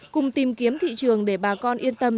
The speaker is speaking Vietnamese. cùng tìm kiếm thị trường để bà con yên tâm